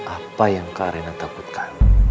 apa yang kak arena takutkan